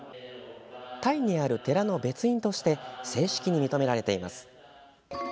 タイにある寺の別院として正式に認められています。